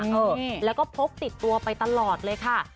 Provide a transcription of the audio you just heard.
เออแล้วก็พกติดตัวไปตลอดเลยค่ะ